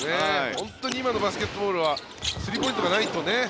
本当に今のバスケットボールはスリーポイントがないとね。